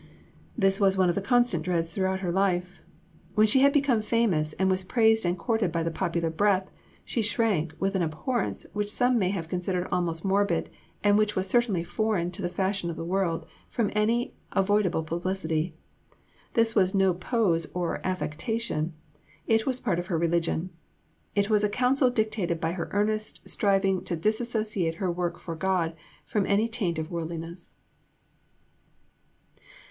This was one of the constant dreads throughout her life. When she had become famous, and was praised and courted by the popular breath, she shrank, with an abhorrence which some may have considered almost morbid and which was certainly foreign to the fashion of the world, from any avoidable publicity. This was no pose or affectation; it was part of her religion. It was a counsel dictated by her earnest striving to dissociate her work for God from any taint of worldliness.